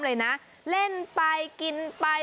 เลยนะเล่นไปกินไป